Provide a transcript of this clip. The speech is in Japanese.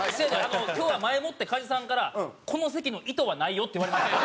今日は前もって加地さんから「この席の意図はないよ」って言われました。